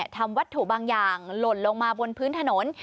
ทำวัตถุบางอย่างหล่นลงมาบนพื้นถนน